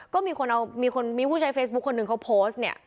ก็มีผู้ใช้เฟซบุ๊คคนหนึ่งเขาโพสต์เนี่ย